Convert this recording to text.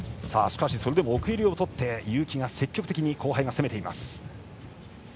しかし、それでも奥襟を取って結城が積極的に後輩が攻めています。